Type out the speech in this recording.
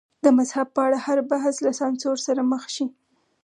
د مذهب په اړه هر بحث له سانسور سره مخ شي.